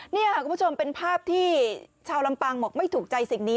นี่ค่ะคุณผู้ชมเป็นภาพที่ชาวลำปางบอกไม่ถูกใจสิ่งนี้